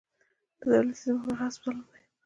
د دولتي ځمکو غصب ظلم دی.